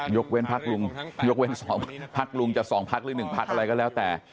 ยกเว้นพักลุงยกเว้น๒พักลุงจะ๒พักหรือ๑พักอะไรก็แล้วแต่